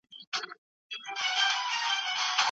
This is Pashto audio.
لوی اهداف یوازي په ذهني ځواک پوري نه سي تړل کېدلای.